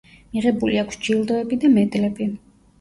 მიღებული აქვს ჯილდოები და მედლები.